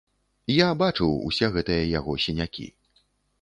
Я бачыў усе гэтыя яго сінякі.